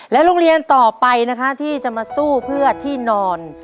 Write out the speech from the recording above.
โรงเรียนต่อไปนะคะที่จะมาสู้เพื่อที่นอน